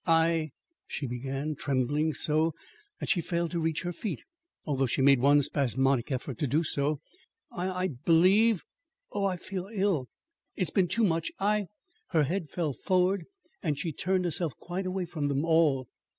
"I " she began, trembling so, that she failed to reach her feet, although she made one spasmodic effort to do so. "I believe Oh, I feel ill! It's been too much I " her head fell forward and she turned herself quite away from them all.